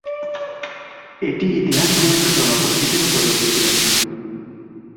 এটি ইতিহাস সমৃদ্ধ জনপদ হিসেবে গড়ে উঠেছিল।